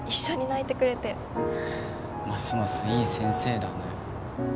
ますますいい先生だね。